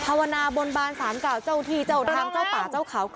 ภาวนาบนบานสารเก่าเจ้าที่เจ้าทางเจ้าป่าเจ้าเขา